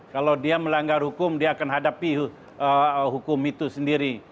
kalau dia melanggar hukum dia akan hadapi hukum itu sendiri